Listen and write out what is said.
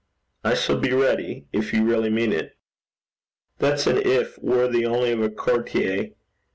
'I shall be ready, if you really mean it.' 'That's an if worthy only of a courtier.